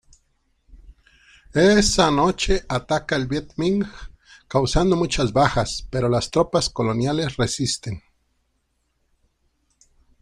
Esa noche ataca el Viet Minh causando muchas bajas; pero las tropas coloniales resisten.